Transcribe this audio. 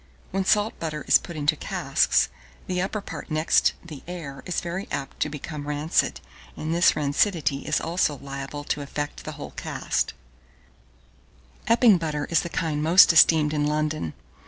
When salt butter is put into casks, the upper part next the air is very apt to become rancid, and this rancidity is also liable to affect the whole cask. 1618. Epping butter is the kind most esteemed in London.